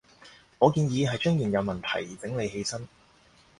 我建議係將現有問題整理起身